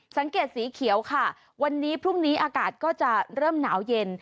สังเกตสีเขียวค่ะวันนี้พรุ่งนี้อากาศก็จะเริ่มหนาวเย็น